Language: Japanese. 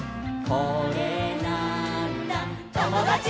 「これなーんだ『ともだち！』」